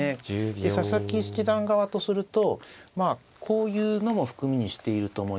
で佐々木七段側とするとまあこういうのも含みにしていると思います。